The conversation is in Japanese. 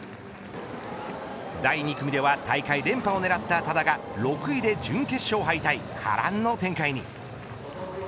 第２組では大会連覇を狙った多田が６位で準決勝敗退波乱の展開に。